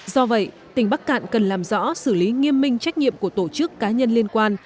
do vậy tỉnh bắc cạn cần làm rõ xử lý nghiêm minh trách nhiệm của tổ chức cá nhân liên quan